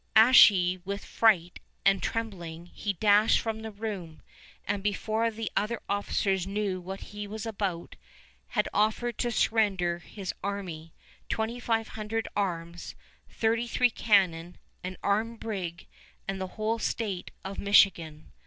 Ashy with fright and trembling, he dashed from the room, and, before the other officers knew what he was about, had offered to surrender his army, twenty five hundred arms, thirty three cannon, an armed brig, and the whole state of Michigan.